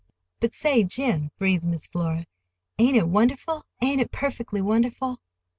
"But, say, Jim," breathed Miss Flora, "ain't it wonderful—ain't it perfectly wonderful?"